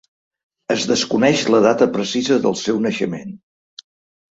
Es desconeix la data precisa del seu naixement.